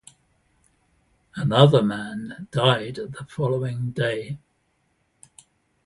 Another man died the following day.